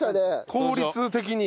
効率的に。